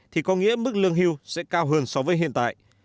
thì có nghĩa mức lương hưu sẽ cao hơn so với hiện tại